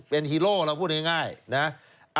เป็นฮีโร่เราพูดง่ายนะ